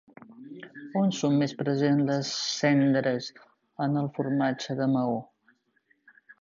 On són més present les cendres en el formatge de Maó?